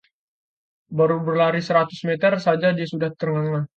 baru berlari seratus meter saja dia sudah terengah-engah